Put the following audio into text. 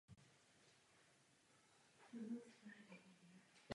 V té době jeho snahu podporovala i československá vláda.